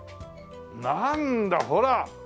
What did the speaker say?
なんだほら！